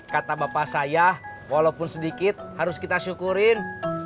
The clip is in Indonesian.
kata bapak saya walaupun sedikit harus kita syukurin